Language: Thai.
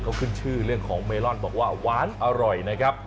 เขาขึ้นชื่อเรื่องของเมลอนบอกว่าหวานอร่อยนะครับ